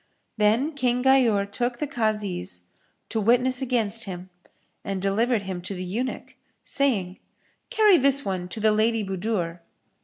Then King Ghayur took the Kazis to witness against him and delivered him to the eunuch, saying, "Carry this one to the Lady Budur."